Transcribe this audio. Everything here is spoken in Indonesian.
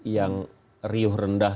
yang riuh rendah